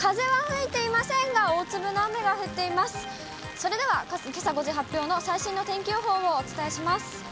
それではけさ５時発表の最新の天気予報をお伝えします。